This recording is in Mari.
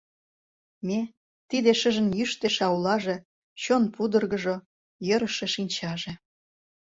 Ме — тиде шыжын йӱштӧ шаулаже, Чон пудыргыжо, йӧрышӧ шинчаже…